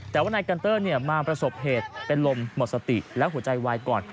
แต่ว่านายกันเตอร์มาประสบเหตุเป็นลมหมดสติและหัวใจวายก่อน